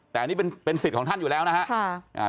แต่อันนี้เป็นสิทธิ์ของท่านอยู่แล้วนะครับ